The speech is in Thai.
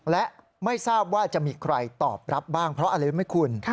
และไม่ทราบว่าจะมีใครตอบรับบ้างเพราะอะไรรู้ไหมคุณ